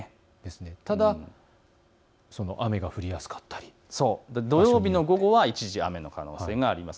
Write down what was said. ただ雨が降りやすかったり土曜日の午後、一時、雨の可能性があります。